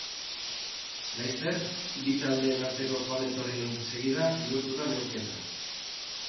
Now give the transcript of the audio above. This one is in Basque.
Laster, bi taldeen arteko joan-etorrien segida bihurtu da neurketa.